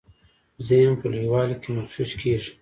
ذهن په لویوالي کي مغشوش کیږي.